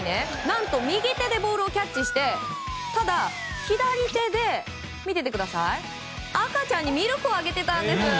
何と右手でボールをキャッチしてただ、左手で赤ちゃんにミルクをあげてたんです。